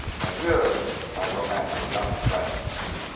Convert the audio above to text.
Adieu, my romantic young friends.